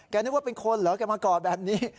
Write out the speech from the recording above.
นึกว่าเป็นคนเหรอแกมาก่อแบบนี้